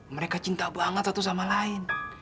mereka cinta banget satu sama lain